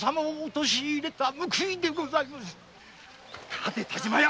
立て田島屋